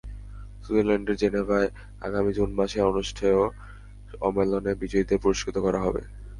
সুইজারল্যান্ডের জেনেভায় আগামী জুন মাসে অনুষ্ঠেয় সম্মেলনে বিজয়ীদের পুরস্কৃত করা হবে।